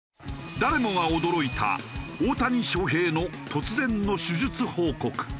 誰もが驚いた大谷翔平の突然の手術報告。